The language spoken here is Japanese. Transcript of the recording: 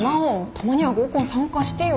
たまには合コン参加してよ。